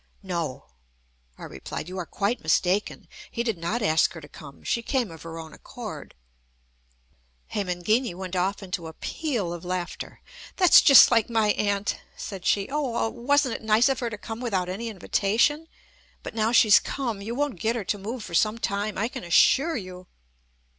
"No!" I replied, "you are quite mistaken. He did not ask her to come. She came of her own accord." Hemangini went off into a peal of laughter. "That's just like my aunt," said she. "Oh I wasn't it nice of her to come without any invitation? But now she's come, you won't get her to move for some time, I can assure you!"